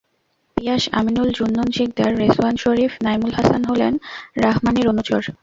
পিয়াস, আমিনুল, জুন্নুন শিকদার, রেজোয়ান শরীফ, নাঈমুল হাসান হলেন রাহমানীর অনুচর।